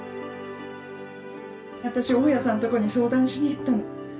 「私大家さんとこに相談しにいったの。